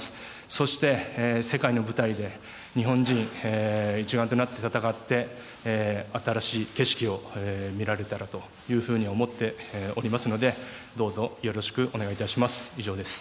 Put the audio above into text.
そして世界の舞台で日本人一丸となって戦って新しい景色を見られたらと思っておりますのでどうぞよろしくお願いいたします。